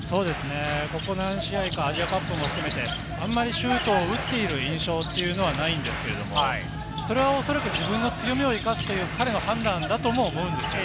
ここ何試合か、アジアカップも含めて、あまりシュートを打っている印象というのはないんですけれども、それはおそらく自分の強みを生かすという彼の判断だとも思うんです。